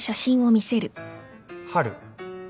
春。